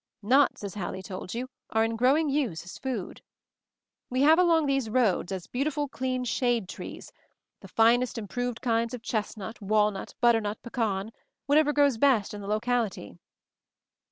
Nuts, as Hallie told you, are in growing use as food. We have along these 178 MOVING THE MOUNTAIN roads, as beautiful clean shade trees, the finest improved kinds of chestnut, walnut, butternut, pecan — whatever grows best in the locality."